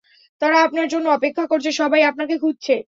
তারা আপনার জন্য অপেক্ষা করছে, সবাই আপনাকে খুঁজছে।